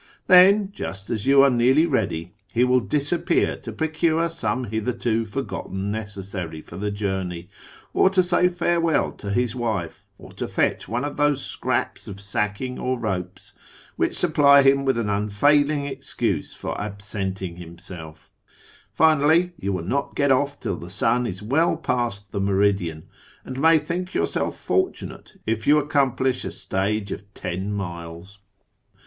Then, just as you are nearly ready, he will disappear to pro cure some hitherto forgotten necessary for the journey, or to say farewell to his wife, or to fetch one of those scraps of sacking or ropes which supply him with an unfailing excuse for absenting himself Finally, you will not get off till the sun is well past the meridian, and may think yourself fortunate if you accomplish a stage of ten miles.